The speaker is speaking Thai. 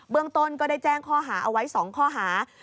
ต้นก็ได้แจ้งข้อหาเอาไว้๒ข้อหา